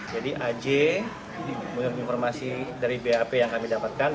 jadi aja menurut informasi dari bap yang kami dapatkan